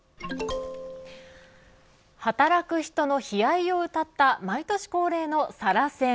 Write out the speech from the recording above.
働く人の悲哀をうたった毎年恒例のサラ川